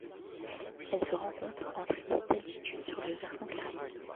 Elle se rencontre entre et d'altitude sur le versant caraïbe.